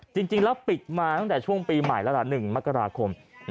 จริงแล้วปิดมาตั้งแต่ช่วงปีใหม่แล้วล่ะ๑มกราคม